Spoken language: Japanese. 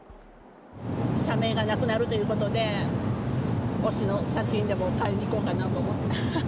社名がなくなるということで、推しの写真でも買いに行こうかなと思って。